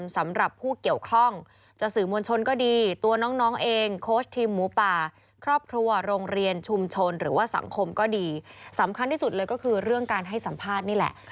สำคัญที่สุดเลยก็คือเรื่องการให้สัมภาษณ์นี่แหละ